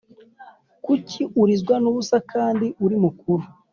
Kuki urizwa nubusa kndi uri mukuru